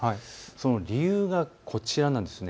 その理由がこちらなんです。